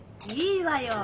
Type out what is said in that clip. いいわよ。